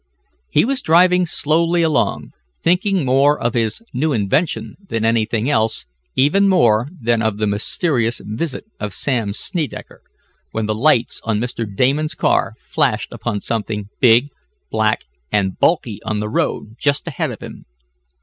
He was driving slowly along, thinking more of his new invention than anything else, even more than of the mysterious visit of Sam Snedecker, when the lights on Mr. Damon's car flashed upon something big, black and bulky on the road just ahead of him.